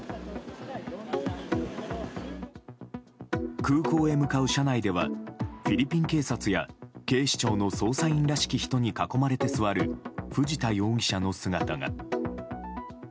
空港へ向かう車内ではフィリピン警察や警視庁の捜査員らしき人に囲まれて座る藤田容疑者の姿が。